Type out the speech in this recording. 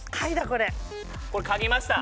これこれ嗅ぎました